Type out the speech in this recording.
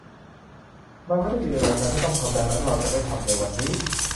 มันไม่ได้อยู่ในรายการที่ต้องทำ ดังนั้นเราจะไม่ทำในวันนี้